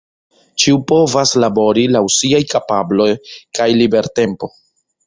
Ĉiu povas labori laŭ siaj kapablo kaj libertempo.